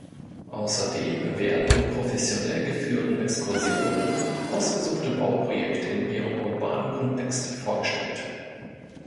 Außerdem werden in professionell geführten Exkursionen ausgesuchte Bauprojekte in ihrem urbanen Kontext vorgestellt.